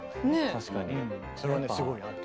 確かに。